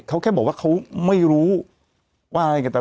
เขาแค่บอกว่าเขาไม่รู้ว่าอะไรอย่างนี้